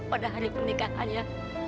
pada hari pernikahannya